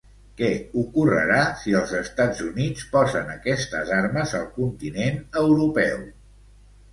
Què ocorrerà si els Estats Units posen aquestes armes al continent europeu?